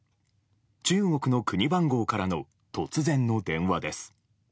中国の国番号からの突然の電話です。